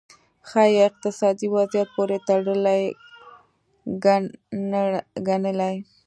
ښايي اقتصادي وضعیت پورې تړلې ګڼلې.